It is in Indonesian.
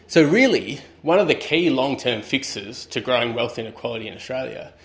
salah satu penyelesaian panjang yang penting untuk mengembangkan keinginan kekayaan di australia